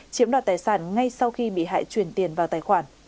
chiếm đoạt tài sản ngay sau khi bị hại chuyển tiền vào tài khoản